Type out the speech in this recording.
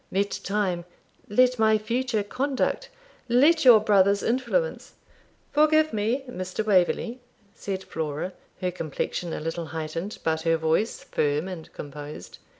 Let time let my future conduct let your brother's influence ' 'Forgive me, Mr. Waverley,' said Flora, her complexion a little heightened, but her voice firm and composed.